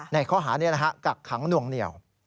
ในข้อหานี้กักขังนวงเหนียว